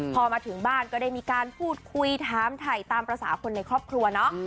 พอมาถึงบ้านก็ได้มีการพูดคุยถามถ่ายตามภาษาคนในครอบครัวเนาะ